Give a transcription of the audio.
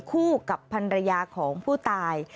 คู่กับพันรยาของผู้ตาย